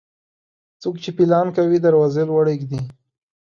څوک چې پيلان کوي، دروازې لوړي اېږدي.